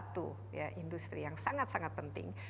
pertanian ini merupakan salah satu ya industri yang sangat sangat penting